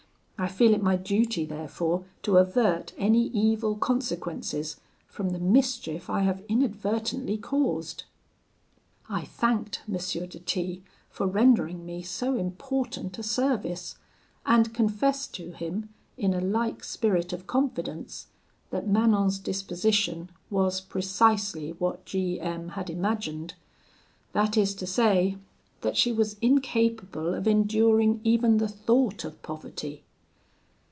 I feel it my duty therefore to avert any evil consequences from the mischief I have inadvertently caused. "I thanked M. de T for rendering me so important a service, and confessed to him, in a like spirit of confidence, that Manon's disposition was precisely what G M had imagined; that is to say, that she was incapable of enduring even the thought of poverty.